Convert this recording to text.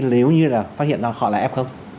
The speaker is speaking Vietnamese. nếu như là phát hiện ra họ là f